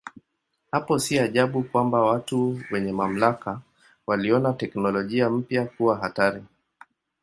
Hapo si ajabu kwamba watu wenye mamlaka waliona teknolojia mpya kuwa hatari.